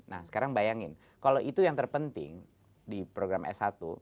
nah sekarang bayangin kalau itu yang terpenting di program s satu